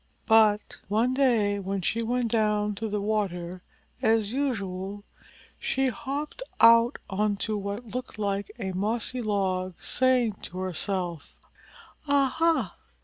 But one day when she went down to the water as usual she hopped out onto what looked like a mossy log, saying to herself: "Aha!